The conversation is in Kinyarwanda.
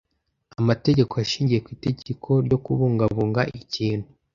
Amategeko ashingiye ku itegeko ryo kubungabunga ikintu